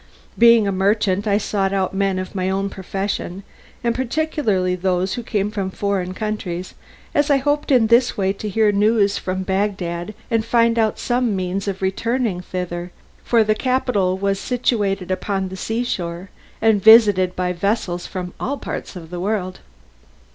Being a merchant I sought out men of my own profession, and particularly those who came from foreign countries, as I hoped in this way to hear news from Bagdad, and find out some means of returning thither, for the capital was situated upon the sea shore, and visited by vessels from all parts of the world.